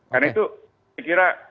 karena itu saya kira